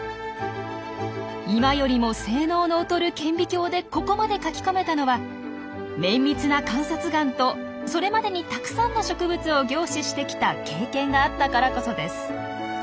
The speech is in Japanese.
今よりも性能の劣る顕微鏡でここまで書き込めたのは綿密な観察眼とそれまでにたくさんの植物を凝視してきた経験があったからこそです。